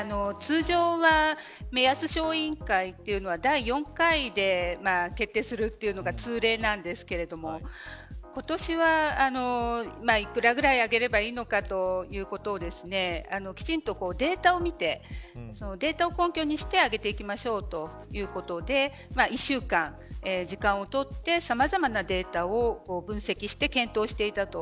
通常は第４回で決定するのが通例ですが今年は幾らぐらい上げればいいのかということをきちんとデータを見てデータを根拠にして上げていきましょうということで１週間、時間を取ってさまざまなデータを分析して検討していたと。